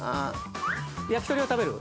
焼き鳥を食べる。